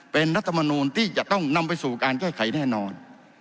เป็นรัฐมนูลที่จะต้องนำไปสู่การแก้ไขแน่นอน